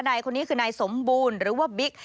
นายคนนี้คือนายสมบูรณ์หรือว่าบิ๊ก